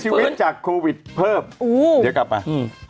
เสียชีวิตจากโควิดเพิ่มเดี๋ยวกลับมา